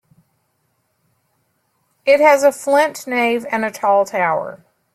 It has a flint nave and a tall tower.